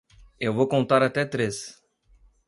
Eu vou contar até três!